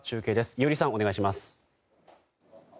伊従さん、お願いします。